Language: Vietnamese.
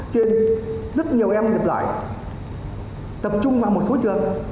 cho nên rất nhiều em gặp lại tập trung vào một số trường